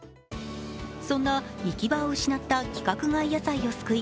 そんな行き場を失った規格外野菜を救い